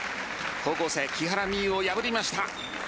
高校生、木原美悠を破りました。